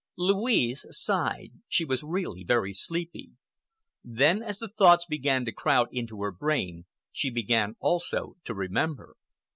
Louise sighed,—she was really very sleepy. Then, as the thoughts began to crowd into her brain, she began also to remember.